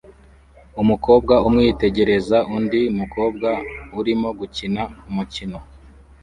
Umukobwa umwe yitegereza undi mukobwa urimo gukina umukino